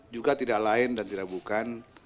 juga tidak lain dan tidak bukan